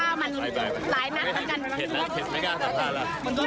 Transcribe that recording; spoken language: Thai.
ขอยหลังไปขอยหลังไป